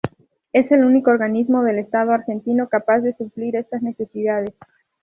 Es el único organismo del Estado argentino capaz de suplir estas necesidades.